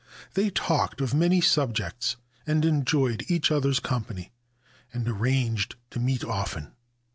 They talked on many subjects, and enjoyed each other's company, and arranged to meet often.